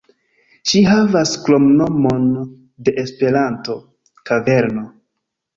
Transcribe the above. Ĝi havas kromnomon de Esperanto, "Kaverno".